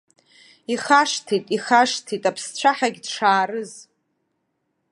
Ихашҭит, ихашҭит аԥсцәаҳагь дшаарыз.